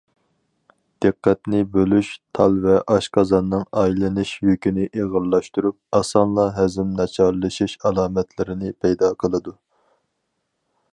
دىققەتنى بۆلۈش تال ۋە ئاشقازاننىڭ ئايلىنىش يۈكىنى ئېغىرلاشتۇرۇپ، ئاسانلا ھەزىم ناچارلىشىش ئالامەتلىرىنى پەيدا قىلىدۇ.